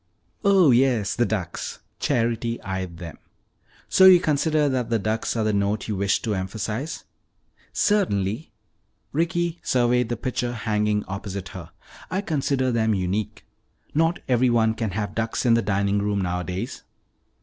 "Oh, yes, the ducks," Charity eyed them. "So you consider that the ducks are the note you wish to emphasize?" "Certainly." Ricky surveyed the picture hanging opposite her. "I consider them unique. Not everyone can have ducks in the dining room nowadays."